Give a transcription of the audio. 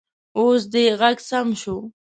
اوس دې غږ سم شو